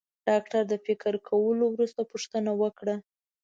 ډاکټر د فکر کولو وروسته پوښتنه وکړه.